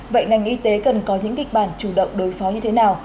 vậy ngành y tế cần có những kịch bản chủ động đối phó như thế nào